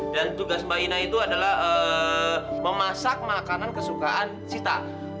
dan tugas mbak ina itu adalah memasak makanan kesukaan sita